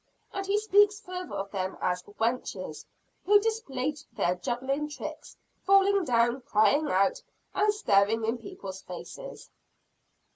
And he speaks further of them as "wenches who played their juggling tricks, falling down, crying out, and staring in people's faces."